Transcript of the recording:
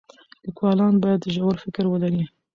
لیکوالان باید ژور فکر ولري.